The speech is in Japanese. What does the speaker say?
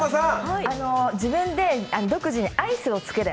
自分で独自にアイスを作る。